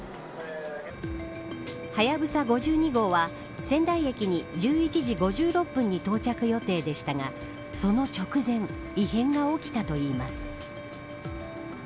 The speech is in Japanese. はやぶさ５２号は仙台駅に１１時５６分に到着予定でしたがその直前異変が起きたといいます。